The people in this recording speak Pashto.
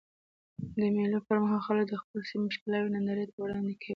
د مېلو پر مهال خلک د خپلي سیمي ښکلاوي نندارې ته وړاندي کوي.